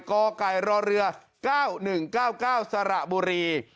กไก่รอเรือ๙๑๙๙สระบุรี